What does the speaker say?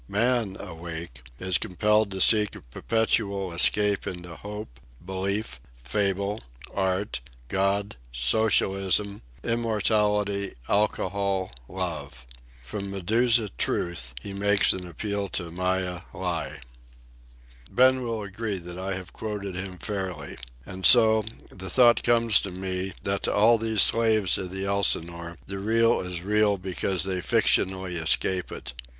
Man, awake, is compelled to seek a perpetual escape into Hope, Belief, Fable, Art, God, Socialism, Immortality, Alcohol, Love. From Medusa Truth he makes an appeal to Maya Lie." Ben will agree that I have quoted him fairly. And so, the thought comes to me, that to all these slaves of the Elsinore the Real is real because they fictionally escape it.